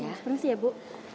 sperang sih ya bu